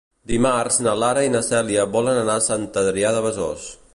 Dimarts na Lara i na Cèlia volen anar a Sant Adrià de Besòs.